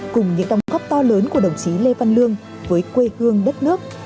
cùng những đóng góp to lớn của đồng chí lê văn lương với quê hương đất nước